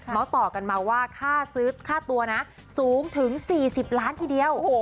ต่อกันมาว่าค่าซื้อค่าตัวนะสูงถึง๔๐ล้านทีเดียว